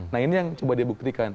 nah ini yang coba dia buktikan